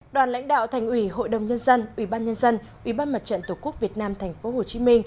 đoàn lãnh đạo thành ủy hội đồng nhân dân ủy ban nhân dân ủy ban mặt trận tổ quốc việt nam tp hcm